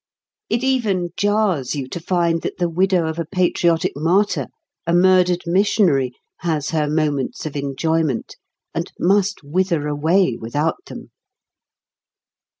It even jars you to find that the widow of a patriotic martyr, a murdered missionary, has her moments of enjoyment, and must wither away without them.